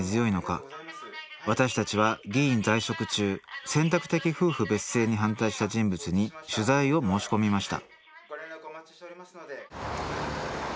私たちは議員在職中選択的夫婦別姓に反対した人物に取材を申し込みました